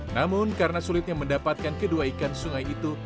namun karena sulitnya mendapatkan kedua ikan sungai itu